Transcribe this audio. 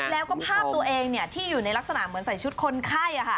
แล้วก็ภาพตัวเองที่อยู่ในลักษณะเหมือนใส่ชุดคนไข้